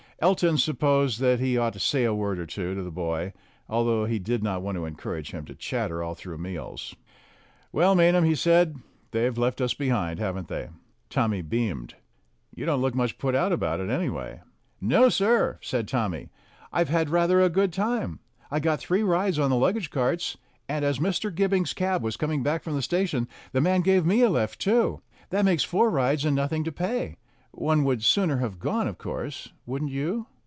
Elton supposed that he ought to say a word or two to the boy, although he did not want to encourage him to chatter all through meals. "Well, Maynham," he said, "they've left us behind, haven't they?" Tommy beamed. "You don't look much put out about it, anyway." "No, sir," said Tommy; "I've had rather a good time. I got three rides on the luggage carts, and as Mr. Gibbing's cab was coming back from the station the man gave me a lift, too. That makes four rides and nothing to pay. One would sooner have gone, of course. Wouldn't you?"